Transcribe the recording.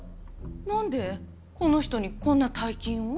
なんでこの人にこんな大金を？